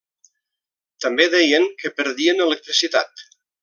També deien que perdien electricitat.